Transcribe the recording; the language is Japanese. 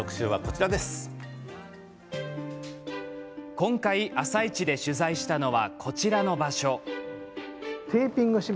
今回「あさイチ」で取材したのはこちらの場所。